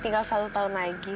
tinggal selalu tahun lagi